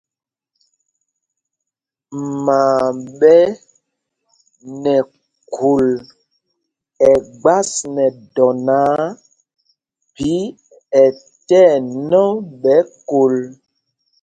Maa ɓɛ nɛ khul ɛgbas nɛ dɔ náǎ, phī ɛ tí ɛnɔ ɓɛ kol.